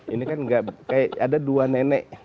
ini kan gak kayak ada dua nenek